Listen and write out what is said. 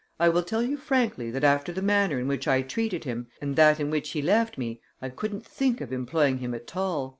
"I will tell you frankly that after the manner in which I treated him and that in which he left me, I couldn't think of employing him at all."